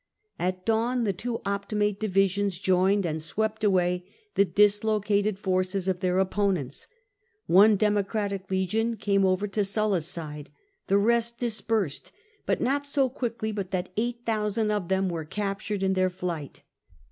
At dawn the two Optimate divi sions joined and swept away the dislocated forces of their opponents: one Democratic legion came over to Sulla's side ; the rest dispersed, but not so quickly but that 8000 of them were captured in their flight.